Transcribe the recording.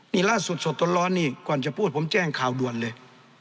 นี่ล่าสุดสดร้อนนี่ก่อนจะพูดผมแจ้งข่าวด่วนเลย